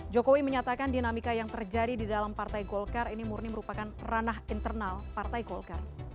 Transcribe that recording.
jokowi menyatakan dinamika yang terjadi di dalam partai golkar ini murni merupakan ranah internal partai golkar